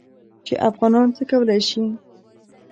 چې افغانان څه کولی شي.